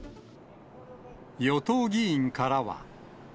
与党議員からは。